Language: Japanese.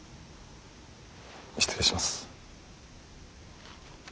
失礼します。